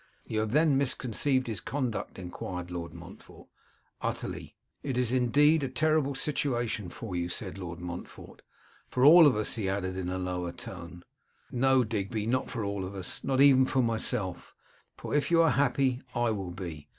'You have then misconceived his conduct?' enquired Lord Montfort. 'Utterly.' 'It is indeed a terrible situation for you,' said Lord Montfort; 'for all of us,' he added, in a lower tone. 'No, Digby; not for all of us; not even for myself; for if you are happy I will be.